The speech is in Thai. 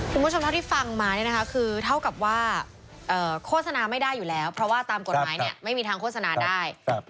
เท่าที่ฟังมาเนี่ยนะคะคือเท่ากับว่าโฆษณาไม่ได้อยู่แล้วเพราะว่าตามกฎหมายเนี่ยไม่มีทางโฆษณาได้